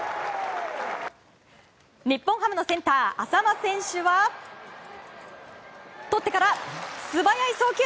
日本ハムのセンター淺間選手はとってから素早い送球。